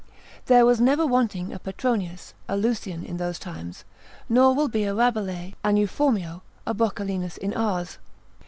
There was never wanting a Petronius, a Lucian in those times, nor will be a Rabelais, an Euphormio, a Boccalinus in ours.